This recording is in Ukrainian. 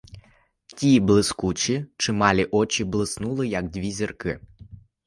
Ті блискучі, чималі очі блиснули, як дві зірки.